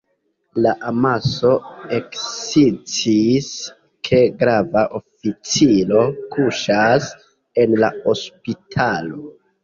La amaso eksciis, ke grava oficiro kuŝas en la hospitalo.